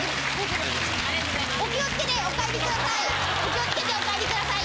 お気をつけてお帰りください。